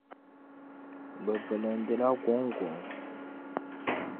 Bɛ bilindi la guŋguŋ.